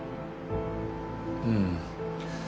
うん。